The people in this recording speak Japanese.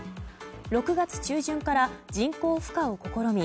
６月中旬から人工孵化を試み